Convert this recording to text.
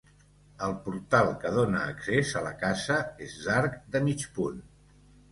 El portal que dóna accés a la casa és d'arc de mig punt.